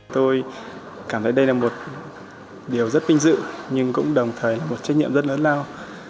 tôi cảm thấy đây là một điều rất vinh dự nhưng cũng đồng thời là một trách nhiệm rất lớn lao